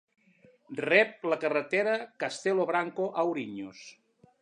Rep la carretera Castelo Branco a Ourinhos.